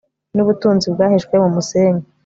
n ubutunzi bwahishwe mu musenyi